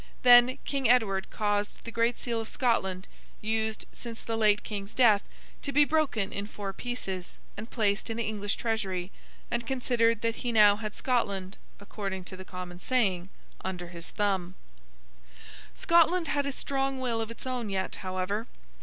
Then, King Edward caused the great seal of Scotland, used since the late King's death, to be broken in four pieces, and placed in the English Treasury; and considered that he now had Scotland (according to the common saying) under his thumb. Scotland had a strong will of its own yet, however.